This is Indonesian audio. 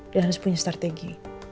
dan harus punya strategi